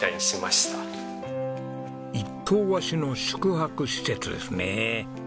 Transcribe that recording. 一棟貸しの宿泊施設ですね。